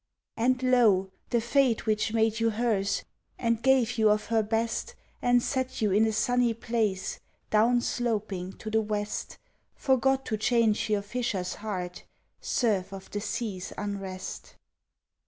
And lo! The fate which made you hers And gave you of her best And set you in a sunny place, Down sloping to the West, Forgot to change your fisher's heart Serf to the sea's unrest!